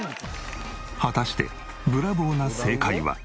果たしてブラボーな正解は？